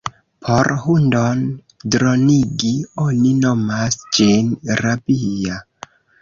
Por hundon dronigi, oni nomas ĝin rabia.